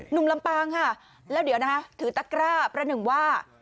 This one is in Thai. หนุ่มลำปังค่ะแล้วเดี๋ยวนะฮะถือตะกร่าบแล้วหนึ่งว่า